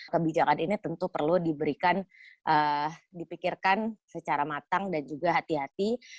kebijakan ini tentu perlu diberikan dipikirkan secara matang dan juga hati hati